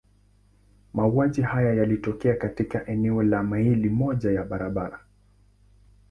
Mauaji haya yalitokea katika eneo la maili moja ya mraba.